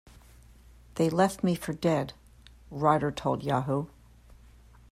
They left me for dead, Rider told Yahoo!